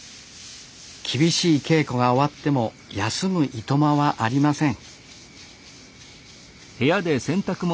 厳しい稽古が終わっても休むいとまはありません